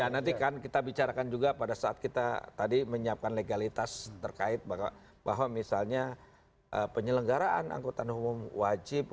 ya nanti kan kita bicarakan juga pada saat kita tadi menyiapkan legalitas terkait bahwa misalnya penyelenggaraan angkutan umum wajib